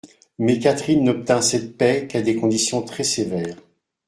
Mais Catherine n'obtint cette paix qu'à des conditions très-sévères.